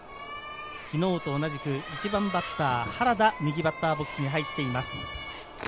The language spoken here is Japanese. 昨日と同じく１番バッター・原田、右バッターボックスに入っています。